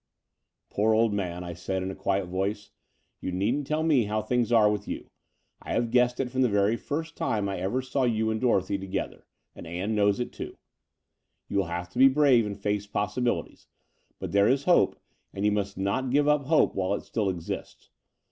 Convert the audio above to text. "Poor old man,'* I said in a quiet voice, you needn't tell me how things are with you. I have guessed it from the very first time I ever saw you and Dorothy together: and Ann knows it, too. You will have to be brave and face possibilities; but there is hope, and you must not give up hope while it still exists.